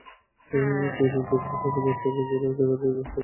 দিনের যেকোনো সময় গেলে দেখা যায় সারি সারি নৌকা বাঁধা রয়েছে ঘাটে।